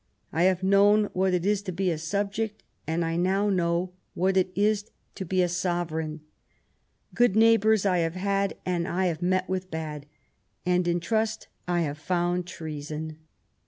I have known what it is to be a subject, and I now know what it is to be a sovereign. Good neighbours I have had, and I THE CRISIS. 227 have met with bad; and in trust I have found treason.